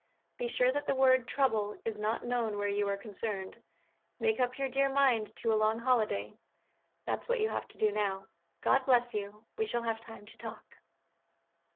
Be sure that the word "trouble" is not known where you are concerned. Make up your dear mind to a long holiday: that's what you have to do now. God bless you. We shall have time to talk.